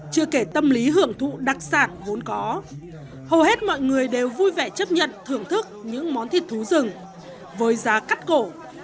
chưa kể tâm lý hưởng thụ đặc sản vốn có hầu hết mọi người đều vui vẻ chấp nhận thưởng thức những món thịt thú rừng với giá cắt cổ